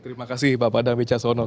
terima kasih pak padang bicara sonong